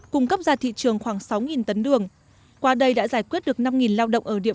cung cấp ra thị trường khoảng sáu tấn đường qua đây đã giải quyết được năm lao động ở địa